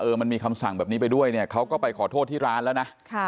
มันมีคำสั่งแบบนี้ไปด้วยเนี่ยเขาก็ไปขอโทษที่ร้านแล้วนะ